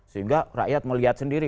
sehingga rakyat melihat sendiri